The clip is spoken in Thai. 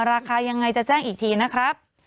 ราคายังไงจะแจ้งอีกทีนะครับ